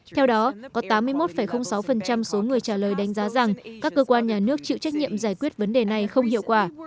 theo đó có tám mươi một sáu số người trả lời đánh giá rằng các cơ quan nhà nước chịu trách nhiệm giải quyết vấn đề này không hiệu quả